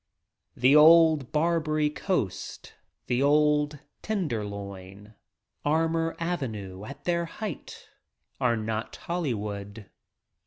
The old Barbarv Coast the old Tenderloin Barbary Armour Avenue, at their height, are not Hollywood.